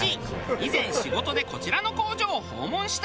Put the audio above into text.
以前仕事でこちらの工場を訪問した事があり。